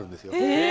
へえ。